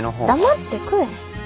黙って食え。